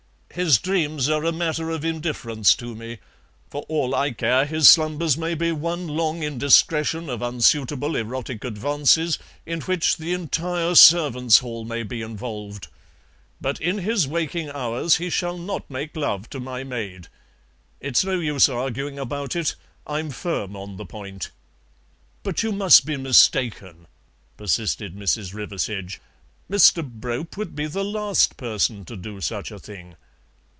"His dreams are a matter of indifference to me; for all I care his slumbers may be one long indiscretion of unsuitable erotic advances, in which the entire servants' hall may be involved. But in his waking hours he shall not make love to my maid. It's no use arguing about it, I'm firm on the point." "But you must be mistaken," persisted Mrs. Riversedge; "Mr. Brope would be the last person to do such a thing."